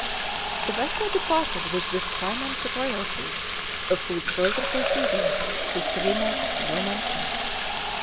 The vessel departed with this claimant to royalty, of whose further proceedings history makes no mention.